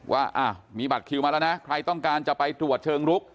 ว่ามีบัตรคิวมาแล้วนะใครต้องการจะไปตรวจเชิงลุก